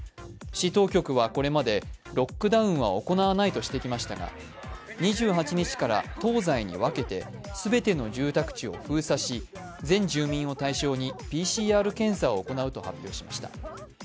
市当局はこれまでロックダウンは行わないとしてきましたが、２８日から東西に分けて、全ての住宅地を封鎖し、全住民を対象にＰＣＲ検査を行うと発表しました。